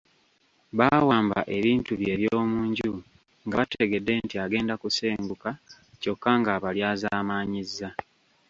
Baawamba ebintu bye eby’omu nju nga bategedde nti agenda kusenguka kyokka ng’abalyazaamaanyizza.